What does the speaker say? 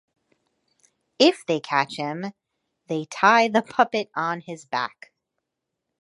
If they catch him, they tie the puppet on his back.